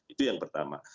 itu yang pertama